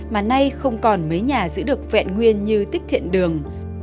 mà nay không còn mấy nhà giữ được vẹn nguyên như tích thiện đường